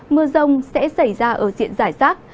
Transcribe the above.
mưa rông sẽ xảy ra ở diện giải sát